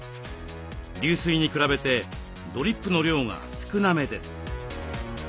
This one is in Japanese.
流水に比べてドリップの量が少なめです。